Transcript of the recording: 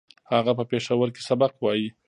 هغه په پېښور کې سبق وايي